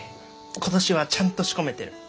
今年はちゃんと仕込めてる。